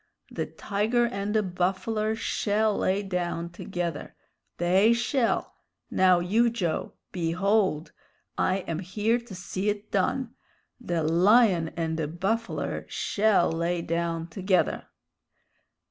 The tiger and the buffler shell lay down together. They shell! Now, you, Joe! Behold! I am here to see it done. The lion and the buffler shell lay down together!"